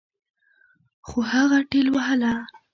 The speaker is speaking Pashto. خو هغه ټېلوهه.